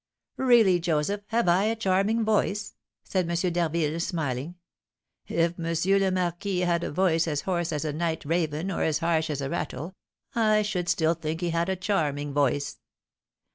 "Really, Joseph, have I a charming voice?" said M. d'Harville, smiling. "If M. le Marquis had a voice as hoarse as a night raven or as harsh as a rattle, I should still think he had a charming voice."